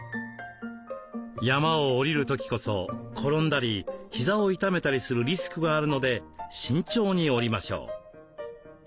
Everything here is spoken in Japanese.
山を下りる時こそ転んだりひざを痛めたりするリスクがあるので慎重に下りましょう。